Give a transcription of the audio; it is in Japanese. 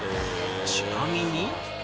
ちなみに。